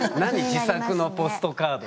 自作のポストカードって。